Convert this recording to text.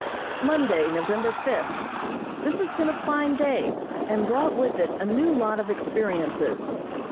Monday, November fifth: This has been a fine day, and brought with it a new lot of experiences.